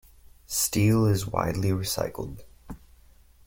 Steel is widely recycled.